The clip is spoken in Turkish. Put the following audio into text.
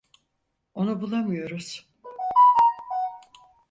Onu bulamıyoruz.